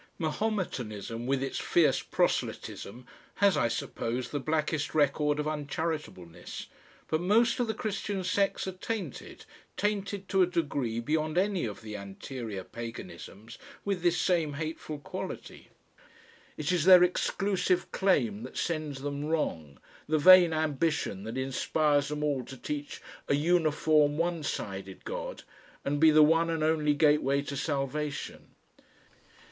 Mahometanism with its fierce proselytism, has, I suppose, the blackest record of uncharitableness, but most of the Christian sects are tainted, tainted to a degree beyond any of the anterior paganisms, with this same hateful quality. It is their exclusive claim that sends them wrong, the vain ambition that inspires them all to teach a uniform one sided God and be the one and only gateway to salvation.